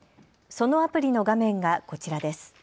そのアプリの画面がこちらです。